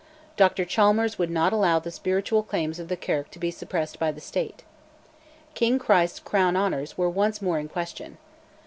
Dr Chalmers would not allow the spiritual claims of the Kirk to be suppressed by the State. "King Christ's Crown Honours" were once more in question.